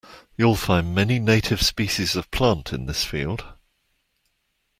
You'll find many native species of plant in this field